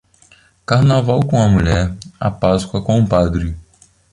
Carnaval com a mulher, a Páscoa com o padre.